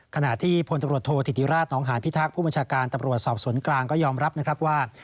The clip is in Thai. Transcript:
ขณะที่พลตำรวจโทษธิติราชนองหานพิทักษ์ผู้บัญชาการตำรวจสอบสวนกลางก็ยอมรับนะครับว่า